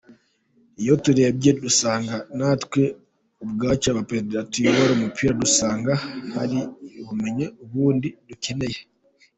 Iyo turebye dusanga natwe ubwacu, abaperezida tuyobora umupira dusanga hari ubumenyi bundi dukeneye.